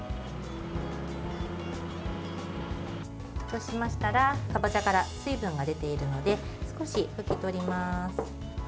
そうしましたらかぼちゃから水分が出ているので少し拭き取ります。